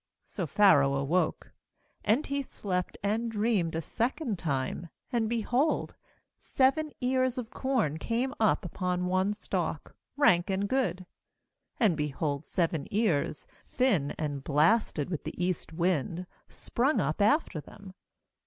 So Pharaoh awoke. ^6And he slept and dreamed a second time : and, behold, seven ears of corn came up upon one stalk, rank and good* 6And, behold, seven ears, thin and blaste< with the east wind, sprung up afte them.